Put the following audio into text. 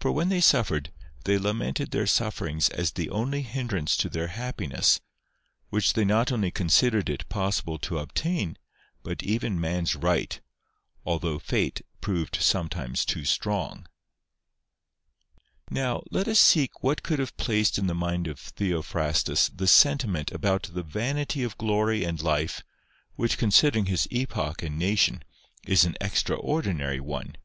Por when they suffered, they lamented their sufferings as the only hindrance to their happiness, which they not only considered it possible to obtain, but even man's right, although Fate proved sometimes too strong. MARCUS BRUTUS AND THEOPHRASTUS. 201 ISTow, let us seek what could have placed in the mind of Theophrastus this sentiment about the vanity of glory and life, which, considering his epoch and nation, is an extraordinary one.